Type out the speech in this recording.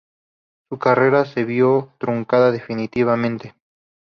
Su carrera se vio truncada definitivamente.